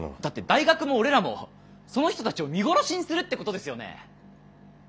だって大学も俺らもその人たちを見殺しにするってことですよね。